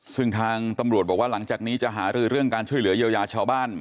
ซึ่งทางตำรวจบอกว่าหลังจากนี้จะหารือเรื่องการช่วยเหลือเยียวยาชาวบ้าน